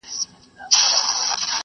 کوچنۍ ډلې لوی ګواښ ښودل کېږي.